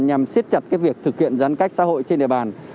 nhằm siết chặt việc thực hiện giãn cách xã hội trên địa bàn